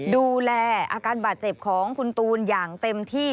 ดูแลอาการบาดเจ็บของคุณตูนอย่างเต็มที่